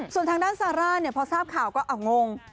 ส่วนทางด้านซาร่าพอทราบข่าวก็งง